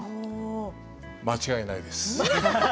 間違いないです。